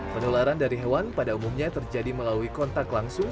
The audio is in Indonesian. penularan dari hewan pada umumnya terjadi melalui kontak langsung